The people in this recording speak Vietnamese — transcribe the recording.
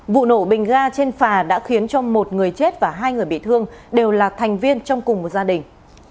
vụ nổ bình ga trên phà đã khiến cho một người chết và hai người bị thương đều là thành viên trong cùng một gia đình